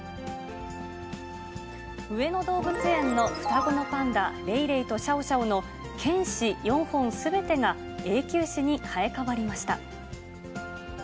上野動物園の双子のパンダ、レイレイとシャオシャオの犬歯４本すべてが永久歯に生え変わりました。